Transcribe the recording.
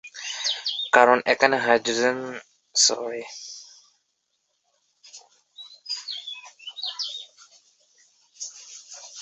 কারণ এখানে অক্সিজেন দুটো হাইড্রোজেনের সাথে যুক্ত।